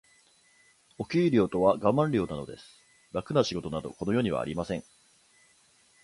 お給料とはガマン料なのです。楽な仕事など、この世にはありません。